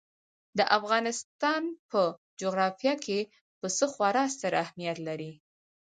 د افغانستان په جغرافیه کې پسه خورا ستر اهمیت لري.